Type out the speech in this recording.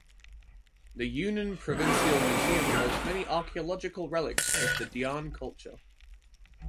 The Yunnan Provincial Museum holds many archaeological relics of the Dian culture.